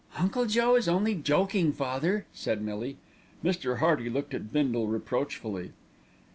"Uncle Joe is only joking, father," said Millie. Mr. Hearty looked at Bindle reproachfully.